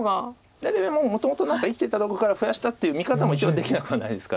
左上はもともと生きてたところから増やしたっていう見方も一応できなくはないですから。